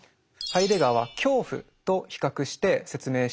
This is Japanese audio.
ハイデガーは「恐怖」と比較して説明しています。